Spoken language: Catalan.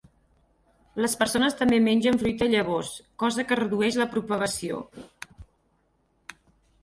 Les persones també mengen fruita i llavors, cosa que redueix la propagació.